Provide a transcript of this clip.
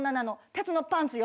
鉄のパンツよ」。